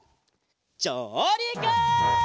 じょうりく！